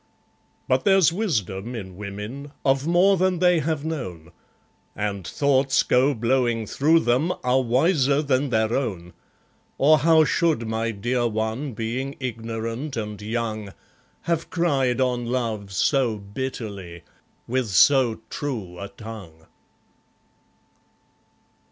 But there's wisdom in women, of more than they have known, And thoughts go blowing through them, are wiser than their own, Or how should my dear one, being ignorant and young, Have cried on love so bitterly, with so true a tongue?